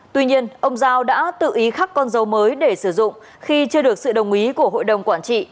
tuy nhiên ông giao đã tự ý khắc con dấu mới để sử dụng khi chưa được sự đồng ý của hội đồng quản trị